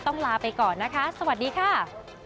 ลาไปก่อนนะคะสวัสดีค่ะ